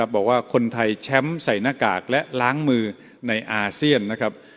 บอกว่าคนไทยแช้มใส่หน้ากากและล้างมือในอาเซียน